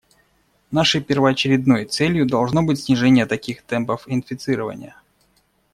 Нашей первоочередной целью должно быть снижение таких темпов инфицирования.